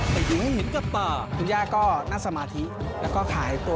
แต่ยิงให้เห็นกับต่อคุณย่าก็นั่งสมาธิแล้วก็ขายตัว